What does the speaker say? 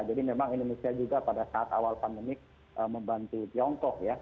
jadi memang indonesia juga pada saat awal pandemik membantu tiongkok ya